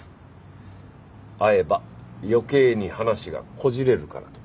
会えば余計に話がこじれるからと。